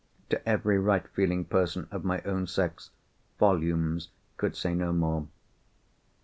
To every right feeling person of my own sex, volumes could say no more.